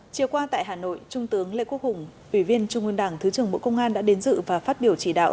chiều qua tại hà nội trung tướng lê quốc hùng ủy viên trung ương đảng thứ trưởng bộ công an đã đến dự và phát biểu chỉ đạo